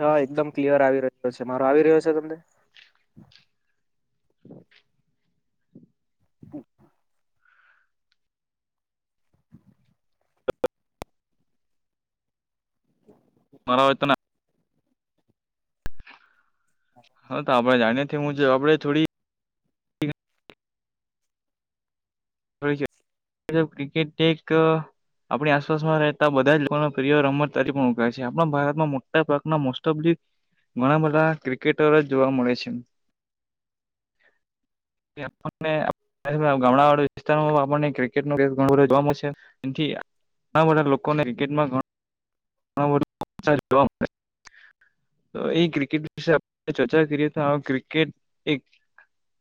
હા એકદમ ક્લિયર આવી રહ્યો છે, મારો આવી રહ્યો છે તમને [inaudible] અચ્છ. મારા વાતના, હા તો આપડે જાણી થે હું જો આપડે થોડી હોય છે. [unintelligible] ક્રિકેટ એક, આપણી આસપાસમાં રહેતા બધા જ લોકોના પ્રિય રમત તરી પણ ઉગાય છે, આપણા ભારતમાં મોટા ભાગના મોસ્ટ ઓફ લી ઘણા બધા ક્રિકેટરો જ જોવા મળે છે. [inaudible] [unintelligible] વિસ્તારમાં હવે આપણને ક્રિકેટ નો [unintelligible] જોવા મળશે. એનથી ઘણા બધા લોકોને કિકેટમાં [unintelligible] તો એ ક્રિકેટ વિશે આપણે ચર્ચા કરીએ તો ક્રિકેટ એક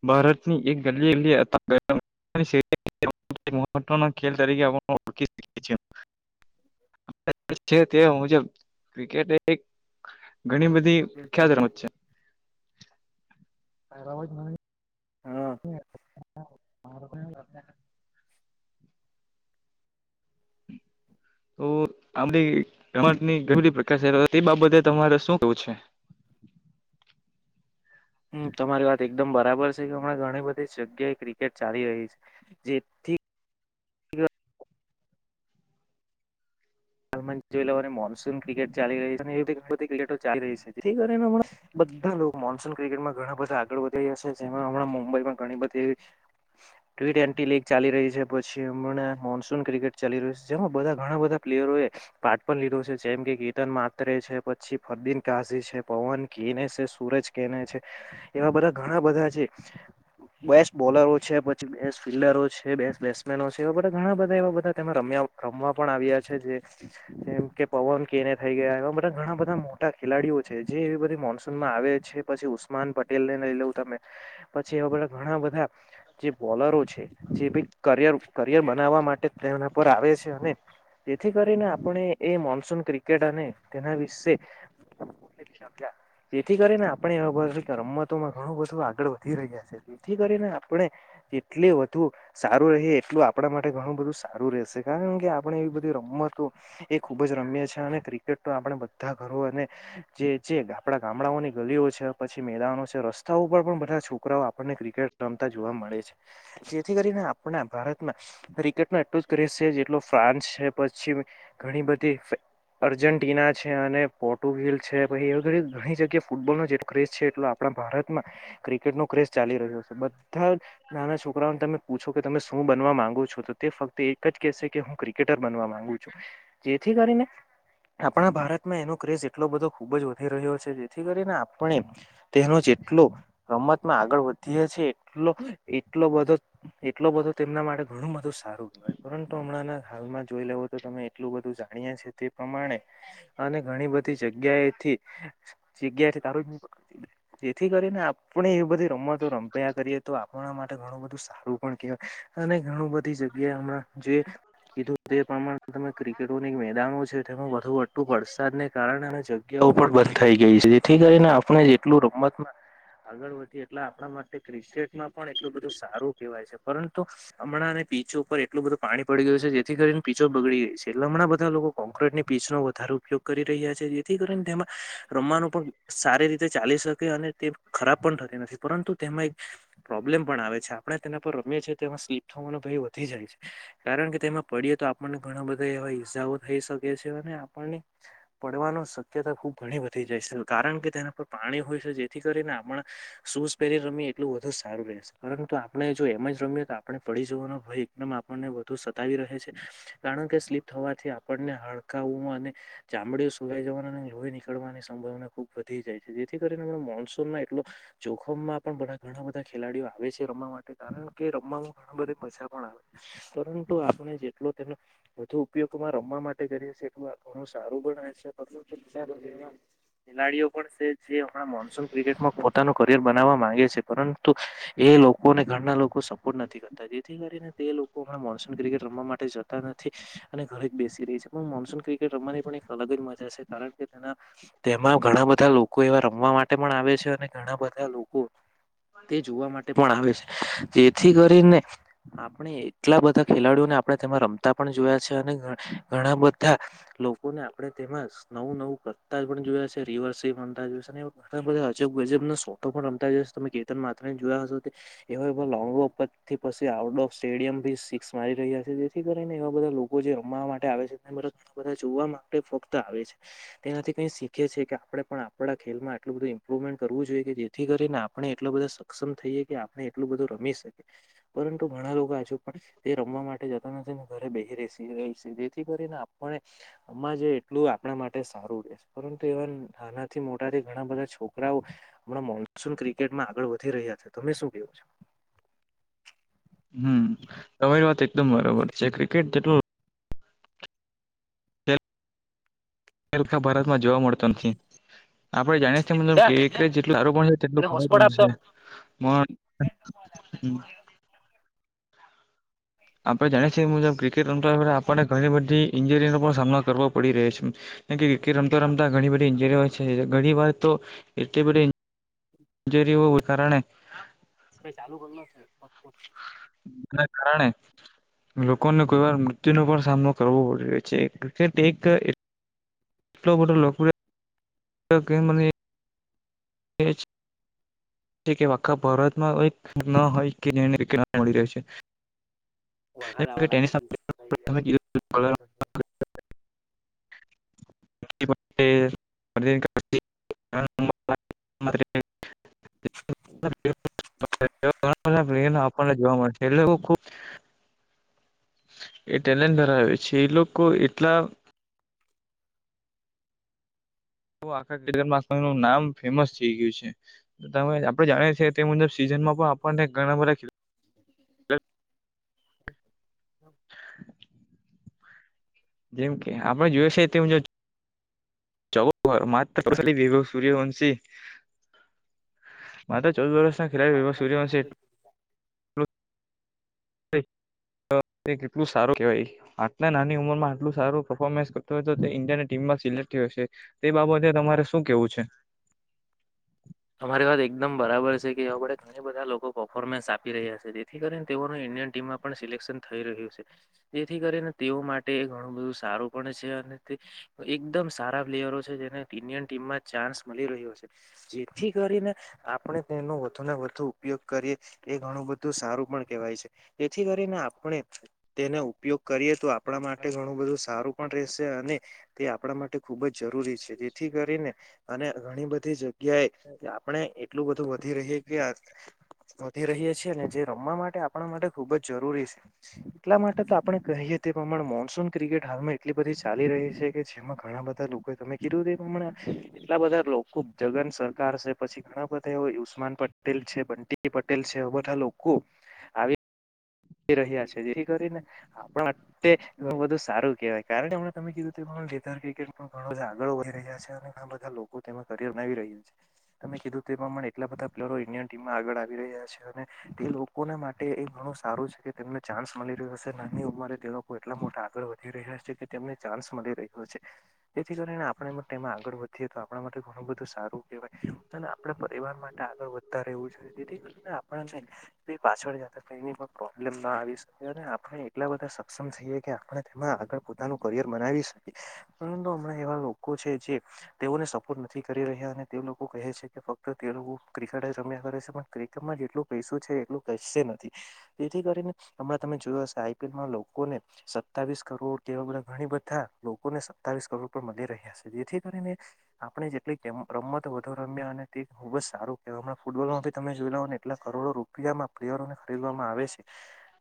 ભારત ની એક ગલી-ગલી એ [unintelligible] [unintelligible] [inaudible] મહત્વ ખેલ તરીકે ઓળખી શકીએ છીએ. તે મુજબ ક્રિકેટ એક ઘણી બધી પ્રખ્યાત રમત છે. મારો આવાજ આવે છે. હમ. [inaudible] તો આપડી રમતની ઘણી બધી પ્રકાર છે તે બાબતે તમારે શું કેવું છે. હમ્મ. તમારી વાત એકદમ બરાબર છે કે હમણાં ઘણી બધી જગ્યાએ ક્રિકેટ ચાલી રહી છે, જે હાલમાં જોઈ લવાને મોનસૂન ક્રિકેટ ચાલી રહી છે, એને એવી બધી ક્રિકેટો ચાલી રહી છે જે થી કરી ને બધા લોકો મોનસૂન ક્રિકેટમાં ઘણા બધા આગળ વધી રયા હશે જેમાં હમણાં મુંબઈમાં ઘણી બધી ટ્વીટ એન્ટી લીગ ચાલી રહી છે પછી હમણાં મોનસૂન ક્રિકેટ ચાલી રહ્યું છે જેમાં બધા ઘણા બધા પ્લેયરો એ. પાઠ પણ લીધો સે, જેમ કે કીર્તન માત્રે છે, પછી ફરદીન કાઝી છે, પવન ઘિને સે, સુરજ કેના છે, એવા બધા ઘણા બધા છે. બેસ્ટ બોલરો છે, પછી બેસ્ટ ફિલ્ડરો છે, બેસ્ટ બેટ્સમેનો છે, એવા બધા ઘણા બધા એવા બધામે રમ્યા રમવા પણ આવ્યા છે જે જેમ કે પવન કેને થઈ ગયા એવા બધા ઘણા બધા મોટા ખેલાડીઓ છે જે એવી બધી મોનસૂનમાં આવે છે. પછી ઉસ્માન પટેલ ને લઈ લઉં તમે પછી એવા બધા ઘણા બધા જે બોલરો છે જે ભી કરયર કરિયર બનાવવા માટે તેઓના પર આવે છે અને જેથી કરીને આપણે એ મોનસૂન ક્રિકેટ અને તેના વિશે જેથી કરી ને આપણે [unintelligible] કે રમતોમાં ઘણું બધું આગળ વધી રહ્યા છે. એથી કરીને આપણે એટલે વધુ સારું રહે એટલું આપણા માટે ઘણું બધું સારું રહેશે કારણ કે આપણેે એ રમતો એ ખુબ જ રમ્ય છે અને ક્રિકેટ તો આપણે બધા ઘરો અને જે જે આપડા ગામડાઓની ગલીઓ છે પછી મેદાનો છે રસ્તા ઉપર પણ બધા છોકરાઓ આપણને ક્રિકેટ રમતા જોવા મળે છે. જેથી કરીને આપણા ભારતમાં ક્રિકેટ નો એટલો જ ક્રેસ છે જેટલો ફ્રાન્સ છે. પશ્ચિમ ઘણી બધી અર્જેન્ટિના છે, અને પોર્ટુગલ છે, પછી એ ઘણી જગ્યા ફૂટબોલનો જેટ ક્રેજ છે એટલો આપણા ભારતમાં ક્રિકેટ નો ક્રેઝ ચાલી રહ્યો છે બધા નાના છોકરાઓને તમે પૂછો કે તમે શું બનવા માંગો છો તો તે ફક્ત એક જ કેહેશે કે હું ક્રિકેટર ગુ છું જેથી કરીને આપણા ભારતમાં એનો ક્રેઝ એટલો બધો ખુબ જ વધી રહ્યો છે જેથી કરીને આપણે તેનો જેટલો રમતમાં આગળ વધીએ છે એટલો એટલો બધો એટલો બધો તેમના માટે ઘણું બધું સારુંય પરંતુ હમણાંં હાલમાં જોઈ લેવો તો તમે એટલું બધું જાણીયા છ તે પ્રમાણે અને ઘણી બધી જગ્યાએથી જગ્યાથી [unintelligible] જેથી કરીને આપણે એ બધી રમતો રમ્યા કરીએ તો આપણા માટે ઘણું બધું સા ારું કવાય અને ઘણું બધી જગ્યાએ હમણાં જે કીધું તે પ્રમાણે તમે ક્રિકેટો એક મેદાનો છે વધુ વટું વરસાદ ને કારણે અને જગ્યાઓ પણ બંધ થઈ ગઈ છે જેથી કરીને આપણે એટલું રમત ના આગળ વધીએ એટલે આપણા માટે ક્રિકેટમાં પણ એટલું બધું સારું કહેવાય છે પરંતુ હમણાં અને પીચો ઉપર એટલું બધું પાણી પડી ગયું છે ન જેથી કરીને પીચો બગડી રહી છે હમણાં બધા લોકો કોંક્રટની પીચ નો વધારે ઉપયોગ કરી રહ્યા છે જેથી કરીને રમવા નુ ઉપર સારી રીતે ચાલી શકે અને તે ખરાબ પણ થતી નથી પરંતુ તેમાં એક પ્રોબ્લેમ પણ આવે છે આપણે તેના પર રમએ છીએ તેમાં સ્લીપ થવાનો ભય વધી જાય છે કારણ કે તેમાં પડીએ તો આપણને ઘણા બધા એવા ઈજાઓ થઈ શકે છે અને આપણને પડવાની શક્યતા ખુબ ઘણી વધી જાય છે કારણ કે તેના પર પાણી હોય છે જેથી કરીને આપણા શૂઝ પહેરી રમીએ એટલું વધુ જ સારું રહેશે. પરંતુ આપણે જો એમ જ રમીએ તો આપણે પડી જવાનો ભય એકદમ આપણને વધુ સતાવી રહે છે. કારણ કે સ્લીપ થવાથી આપણને હડકાવું અને ચામડીઓ સુવાઈ જવાની અને લોઈ નીકળવાની સંભાવના ખુબ વધી જાય છે જેથી કરીને મોન્સૂનમાં એટલુ જોખમમાં પણ બધા ઘણા બધા ખેલાડીઓ આવે છે રમવા માટે કારણ કે રમાનું બધે પૈસા પણ આવે પરંતુ આપણે જે એનો વધુ ઉપયોગમાં રમવા માટે કરીએ એટલું ઘણું સારું પણ રહે છે [unintelligible] ખેલાડીઓ પણ છે જે હમણાં મોન્સૂન ક્રિકેટમાં પોતાનું કરિયર બનાવવા માંગે છે પરંતુ એ લોકોને ઘરના લોકો સપોર્ટ નથી કરતા જેથી કરીને તે લોકો મોનસૂન ક્રિકેટ રમવા માટે જતા નથી. અને ઘરે જ બેસી રહી છે પણ મોન્સૂન ક્રિકેટ રમવાની પણ એક અલગ જ મજા છે કારણ કે તેના તેમાં ઘણા બધા લોકો એવા રમવા માટે પણ આવે છે અને ઘણા બધા લોકો તે જોવા માટે પણ આવે છે જેથી કરીને આપણે એટલા બધા ખેલાડીઓને આપણે તેમાં રમતા પણ જોયા છે અને ઘણા બધા લોકોને આપણે તેમાં નવું નવું કરતા જ પણ જોયયા છે, રિવર્સ બનતા જ જોય છે ઘ બધા અજબ ગજબ શો તો પણ રમતા જઈશ તમે કેતન માત્ર ને જોયા હશો તે, એવ લોંગ વોથી પછી આઉટડોર સ્ટેડિયમ ભી સિક્સ મારી રહ્યા જેથી કરીને એવા બધા લોકો જે રમવા માટે આવે છે, બધા જોવા માટે ફક્ત આવે છે. તેનાથી કઈ શીખે છે કે આપણેે પણ આપણા ખલ માં આટલ બધું ઇમ્પ્રુવમેન્ટ કરવું જોઈએ, કે જેથી કરીને આપણે એટલો બધા સક્ષમ થઈએ, કે આપણે એટલું બધું રમી શકીએ. પરંતુ ઘણા લોકો હજુ પણ તે રમવા માટે આપ જતો નથી ઘરે બે રસી ર જેથી કરીને આપણે, અમ્મા જે એટલું આપણા માટે સારું રહે પરંતુ એવા નાના થી મોટાથી ઘણા બધા છોકરાઓ હમણાં મોન્સૂન ક્રિકેટમાં આગળ વધી રહ્યા છે, તમે શું કેવો છો. હમ્મ તમારી વાત એકદમ બરોબર છે, ક્રિકેટ જેટલું લકા ભારતમાં જોવા મળતો નથી. આપડે જાણીએ છીએ મતલબ જેટલ આપ પણશે તેટલું એને ખબ હોસ્પોટ આપતો પણશે [unintelligible] આપણે જાણીએ એ મુજબ ક્રિકેટ આપને ઘણી બધી ઈન્જરીનો પણ સામનો કરવો પડી રહ્યો છે, રમતો રમતા ઘણી બધી ન્જરીઓ હોય છે, ઘણી વાર તો એટલી બધી જેરીવું કારણે [unintelligible] એના કારણે લોકોને કોઈ વાર મૃત્યુનો પણ સામનો કરવો પડી રહ્યો છે્રિકેટ એક બટ લ લોકોક કે મને એ જ કે આખા ભારતમાં કો ન હોય કે જેને રી ના મળી રહે છે, વરખાદ જેમ કે આવવા લાગે ટેનિસ તમે કીધું [unintelligible] [unintelligible] આપને જોવા મળે છે એ લોકો એ ટેલેન્ટ ધરાવે છે, એ લોકો એટલા આખા કેદરમાં નું નામ ફેમસ થઈ ગયું છે, તમે આપડે જાણીએ છીએ તે મુજબ સીઝનમાં પણ આપણને ઘણા બધા ખે [unintelligible] જેમ કે આપડે જોઈએ છે તે હ મુજબ [unintelligible] સૂર્ય વંશી માત્ર ચૌદ વર્ષના ખેલાડી વિભવ સૂર્યવંશી વાઈફાઈ કેટલું સારું કેવાય આટલા નાની ઉંમર માં આટલું સારું પરફોર્મન્સ કરતો હોય તો તે ઇન્ડિયાની ટીમમાં સિલેક્ટ થયો હશે તે બાબતે તમારે શું કેવું છે, અમારી વાત એકદમ બરાબર છે કે એવા આપડે ઘણી બધા લોકો પર્ફોર્મન્સ આપી રહ્યા છે, તેથી કરીને તેઓનું ઇન્ડિયન ટીમમાં પણ સિલેક્શન થઈ રહ્યું છે, જેથી કરીને તેઓ માટે ઘણું બધું સારું પણ છે, અને તે એકદમ સારા પ્લેયરો છે, જેને ઇન્ડિયન ટીમમાં ચાન્સ મળી રહ્યો છે, ઠી કરીને આપણે તેનો વધુ ને વધુ ઉપયોગ કરીએ એ ઘણું બધું સારું પણ કેહેવાય છે, જેથી કરીને આપણે તેનો ઉપયોગ કરીએ તો આપ આપણા માટે ઘણું બધું સારું પણ રહેશે અને તે આપણા માટે ખુબ જ જરૂરી છે, જેથી કરીને અને ઘણી બધી જગ્યા કે આપણે એટલું બધું વધી રહી કે વધી રહીએ છીએ ને જે રમવા માટે આપણા માટે ખુબ જ જરૂરી છે, એટલા માટે તો આપણે કહીએ તે પ્રમાણે મોન્સૂન ક્રિકેટ હાલમાં એટલી બધી ચાલી રહી છે કે જેમાં ઘણા બધા લોકો તમે કીધું હમણાં એટલા બધા લોકો જગન સર છે, પછી ઘણા બધા એ યસ્માન પટેલ છે બંટી પટેલ છે એ બધા લોકો આવી રહ્યા છે જેથી કરીને આપણા તે બધુ સારું કેહેવાય કારણ કેમ તમે કીધું લે્રિકેટ ઘણ બધા આગળ વધી રહ્યા છે અને લોકો તેમાં કરિયર બનાવી રહ્યું છે. તમે કીધું તે પ્રમાણે એટલા બધા પ્લેયરો ઇન્ડિયન ટીમમાં આગળ આવી રહ્યા છે એ લોકોને માટે એ ઘણું સારું છે. કે તેમને ચાન્સ મળી રહ્યો છે નાની ઉંમરે દેકો એટલા મોટા આગળ વધી રહ્યા છે કે તેમને ચાન્સ મળી રહી જેથી કરીને આપણે તેમાં આગળ વધીએ તો આપણા માટે ઘણું બધું સારું કેવાય અને આપણા પરિવાર માટે આગળ વધતા રહેવું છે તેથી કરીને આપ પાછળ જતાં કઈ નય [inaudible] આપણે એટલા બધા સક્ષમ છીએ કે આપણે તેમાં આગળ પોતાનું કરિયર બનાવી શકીએ પરંતુ હમણાં એવા લોકો છે જે તેઓને સપોર્ટ નથી કરી રહ્યા અને તે લોકો કહે છે કે ફક્ત તે લોકો ક્રિકેટ જ રમ્યા કરે છે પણ ક્રિકેટમાં જેટલું પૈસો છે એટલું કશે ય નથી જેથી કરીને હમણાં તમે જોયો હશે આઈપીએલમાં લોકોને સત્તાવીસ કરોડ કેવા બધા ઘણી બધા લોકોને સત્તાવીસ કરોડ પણ મળી રહ્યા. જેથી કરીને આપણે જેટલી રમતો વધુ રમ્યા અને તે ખુબ જ સારું કહેવાય હમણાં ફૂટબોલમાં તમે જોઈ લવ ને એટલા કરોડો રૂપ પરિવારોને ખરીદવામાં આવે છે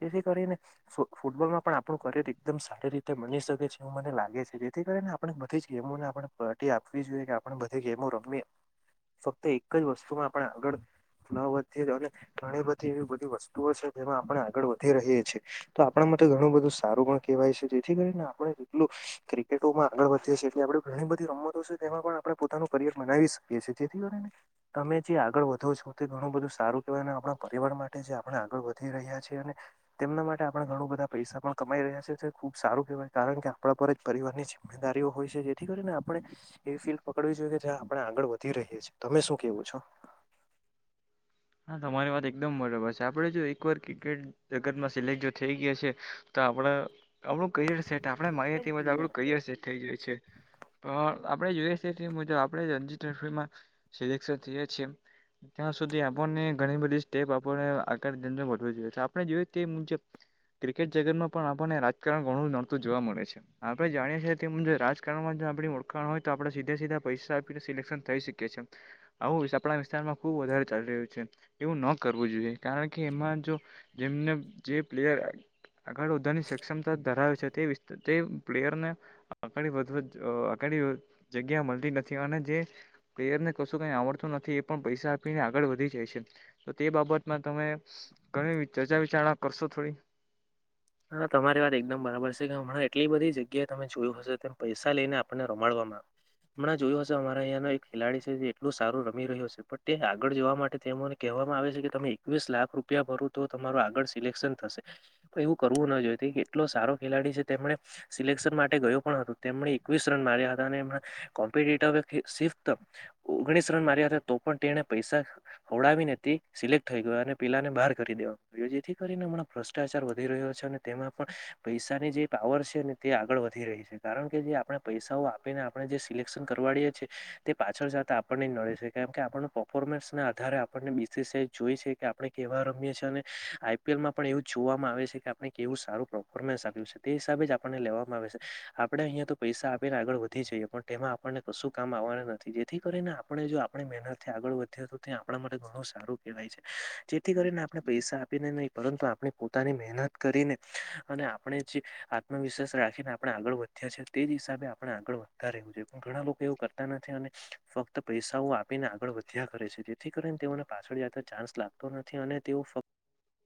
જેથી કરીને ફૂટબોલમાં પણ આપણું કરિયર એકદમ સારી રીતે બની શકે છે એવું મને લાગે છે જેથી કરીને આપ બધી જ ગેમોને આપણે પ્રાયોરિટી આપવી જોઈએ કે આપણે બધી ગેમો રમીએ ફક્ત એક જ વસ્તુમાં આપણે આગળ ન વધી અને ઘણી બધી એવી બધી વસ્તુઓ છે જેમાં આપણે આગળ વધી રહીએ છીએ તો આપણા માટે ઘણું બધું સારું પણ કહેવાય છે જેથી કરીને આપણે જેટલું ક્રિકેટોમાં આગળ વધીએ છીએ એટલે આપડણે ઘણી બધી રમતો છે તેમાં પણ આપણે પોતાનું કરિયર બનાવી શકીએ છીએ જેથી કરી ને તમે જે આગળ વધો છો તે ઘણું બધું સારું કેવાય અને આપણા પરિવાર માટે જે આપણે આગળ વધ રહ્યા છે અને તેમના માટે આપણે ઘણું બધા પૈસા પણ કમાઈ રહ્યા છે ખુબ સારું કેહેવાય કારણ કે આપણા પર જ પરિવાર ની જીમે દારીઓ હોય છે જેથી કરીને આપણે એવી ફિલ્ડ પકડવી જોઈએ કે જ્યાં આપણે આગળ વધી રહીએ છીએ તમે શું કેવું છો? હા તમારી વાત એકદમ બરાબર છે આપણે જો એકવાર ક્રિકેટ જગતમાં સિલેક્ટ જો થઈ ગયા છે તો આપડા આપણું કરિયર સેટ આપણે માનીયે તેમ આપણું કરિયર સેટ થઈ જાય છે પણ આપણે યુએસએથી મુજબ આપણેે રણજી ટ્રોફીમાં સિલેક્શન થઈએ છીએ ત્યાં સુધી આપ ઘણી બધી સ્ટેપ આપને આગળ જોઈએ તો આપણે જોઈએ મુજબ ક્રિકેટ જગતમાં પણ આપણને રાજકારણ ઘણું નડતું જોવા મળે છે. આપણે જાણીએ છીએ કે રાજકારણમાં આપણી ઓળખાણ હોય તો આપણે સીધા સીધા પૈસા આપીને સિલેક્શન થઈ શકીએ છીએ. આવું આપણા વિસ્તારમાં ખુબ વધારે ચાલી રહ્યું છે. એવું ન કરવું જોઈએ કારણ કે એમાં જો જેમને જે પ્લેયર આગળ વધવકની સક્ષમતા ધરાવે છે તે તે પ્લેયરને આગળ વધ આગળ જગ્યા મળતી નથી અને જે પ્લેયર ને કશો કઈ આવડતુ નથી એ પણ પૈસા આપીને આગળ વધી જાય છે તો તે બાબતમાં તમે ઘણી ચર્ચા વિચારણા કરશો થોડી? હા તમારી વાત એકદમ બરાબર છે કે હમણાં એટલી બધી જગ્યાએ તમે જોયું હશે તેમ પૈસા લઈને આપણને રમાડવામાં આવે હમણાં જોયું હશે અમારા અહીંયાનો એક ખેલાડી છે જે એટલું સારું રમી રહ્યો છે પણ તે આગળ જવા માટે તેને કહેવામાં આવે છે કે તમે એકવીસ લાખ રૂપિયા ભરો તો તમારું આગળ સિલેક્શન થશે એવું કરવું ન જોઈ તે કેટલો સારો ખેલાડી છે તેમણે સિલેક્શન માટે ગયો પણ હતું તેમણે એકવીસ રન માર્યા હતા અને કોમ્પિટિટર ઓગણીસ રન માર્યા હતા તો પણ તેને પૈસા હવડાવી ને સિલેક્ટ થઈ ગયો અને પેલાને બહાર કરી દેવાયો જેથી કરીને હણા ભ્રષ્ટાચાર વધી રહ્યો છે અને તેમાં પણ પૈસાની જે પાવર છે ને તે આગળ વધી રહી છે કારણ કે જે આપણે પૈસાઓ આપીને આપણે જે સિલેક્શન કરવાડીએેીએ તે પાછળ જતા આપણને જ નડે છે કેમ કે આપણ પફોર્મન્સના આધારે આપણને બીસીસ એ જોઈ છે કે આપણે કેવા રમીએ છીએ અને આઈપીએલમાં પણ એવું જ જોવામાં આવે છે આપ કેવું સારુંફોર્મન્સ આપ્યું છે તે હિસાબે આપણને લેવામાં આવે છે આપણે અહીંયા પૈસા આપીને આગળ વધી જઈએ પણ તેમાં આપણને કશું કામ આવવાના નથી જેથી કરીને આપણે જો આપણી મહેનત થી આગળ વધ તે આપણા માટે ઘણું સારું કહેવાય છે જેથી કરીને આપણે પૈસા આપીને નહી પરંતુ આપણે પોતાની મહેનત કરીને અને આપણે જે આત્મવિશ્વાસ રાખીને આપણે આગળ વધીએ છીએ તે જ હિસાબે આપણે આગળ વધ ઘણા લોકો એવું કરતા નથી અને ફક્ત પૈસાઓ આપીને આગળ વધ્યા કરે છે જેથી કરીને તેઓને પાછળ જતા ચાન્સ લાગતો નથી અને તેઓ ફક્ત